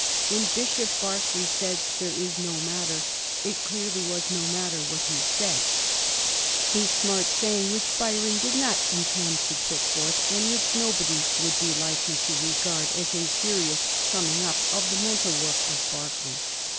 293 "When Bishop Berkeley said there is no matter, It clearly was no matter what he said" — a smart saying which Byron did not intend to put forth, and which nobody would be likely to regard, as a serious summing up of the mental work of Berkeley.